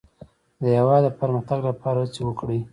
د هېواد د پرمختګ لپاره هڅې وکړئ.